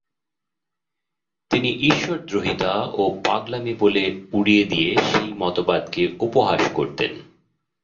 তিনি ঈশ্বরদ্রোহিতা ও পাগলামি বলে উড়িয়ে দিয়ে সেই মতবাদকে উপহাস করতেন।